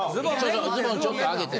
ズボンちょっと上げて。